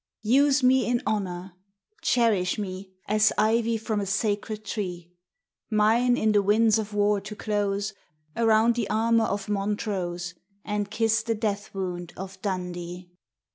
Use me in honour: cherish me As ivy from a sacred tree. Mine in the winds of war to close Around the armour of Montrose, And kiss the death wound of Dundee.